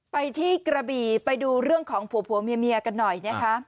ไปที่กระบี่ไปดูเรื่องของผัวเมียกันหน่อยนะคะ